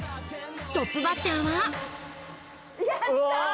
トップバッターは。来た！